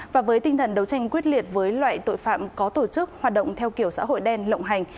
và với tinh thần đấu tranh quyết liệt với loại tội phạm có tổ chức hoạt động theo kiểu xã hội đen lộng hành